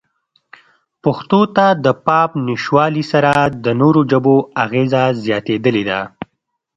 پښتو ته د پام نشتوالې سره د نورو ژبو اغېزه زیاتېدلې ده.